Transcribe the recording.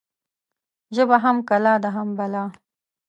ژبه هم کلا ده، هم بلا